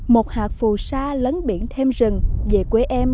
một hạt phù sa lấn biển thêm rừng về quê em